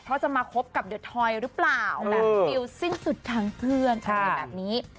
เพราะจะมาคบกับเดอทอยหรือเปล่าแบบฟิลสิ้นสุดทางเพื่อนอะไรแบบนี้